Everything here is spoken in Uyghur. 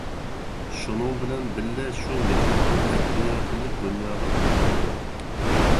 شۇنىڭ بىلەن بىللە شۇ مىللەتنىڭ ئەدەبىياتىنى دۇنياغا تونۇتىدۇ.